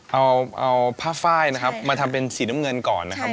เอาผ้าไฟล์นะครับมาทำเป็นสีน้ำเงินก่อนนะครับ